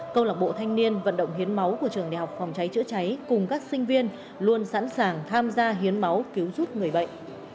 câu lạc bộ thanh niên vận động hiến máu của trường đại học phòng cháy chữa cháy cùng các sinh viên luôn sẵn sàng tham gia hiến máu cứu giúp người bệnh